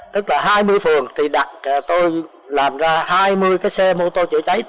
tức là hai mươi phường thì đặt tôi làm ra hai mươi cái xe mô tô chữa cháy